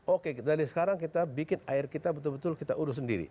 oke dari sekarang kita bikin air kita betul betul kita urus sendiri